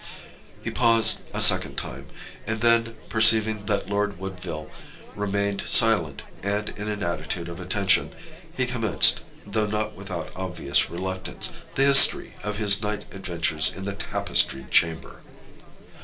He paused a second time, and then, perceiving that Lord Woodville remained silent and in an attitude of attention, he commenced, though not without obvious reluctance, the history of his night adventures in the Tapestried Chamber.